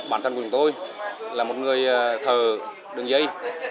bản thân của chúng tôi là một người thờ đường dây